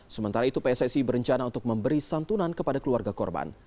sementara itu pssi berencana untuk memberi santunan kepada keluarga korban